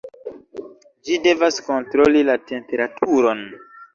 Ĝi devas kontroli la temperaturon.